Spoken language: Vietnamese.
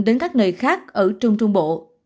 đến các nơi khác ở trung trung bộ